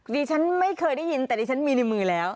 ดิฉันไม่เคยได้ยินแต่ดิฉันมีในมือแล้ว